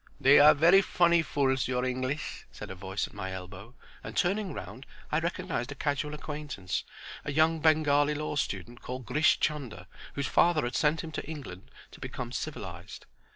"They are very funny fools, your English," said a voice at my elbow, and turning round I recognized a casual acquaintance, a young Bengali law student, called Grish Chunder, whose father had sent him to England to become civilized.